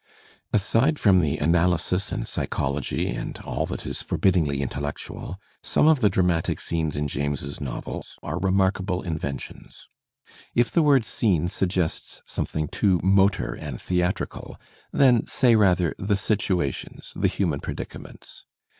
Aside from the analysis and psychology and all that is forbiddingly intellectual, some of the dramatic scenes in James's novels are remarkable inventions. If the word Digitized by Google HENRY JAMES 337 ^' scene*' suggests something too motor and theatrical, then say rather, the situations, the human predicaments.